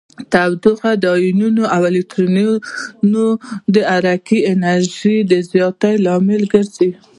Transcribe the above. تودوخه د ایونونو او الکترونونو د حرکې انرژي د زیاتیدو لامل ګرځي.